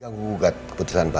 yang mengunggat keputusan bapak